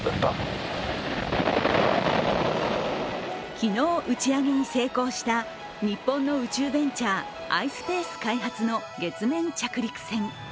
昨日、打ち上げに成功した日本の宇宙ベンチャー、ｉｓｐａｃｅ開発の月面着陸船。